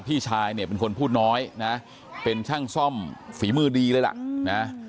พี่ชายเนี่ยเป็นคนพูดน้อยนะเป็นช่างซ่อมฝีมือดีเลยล่ะนะ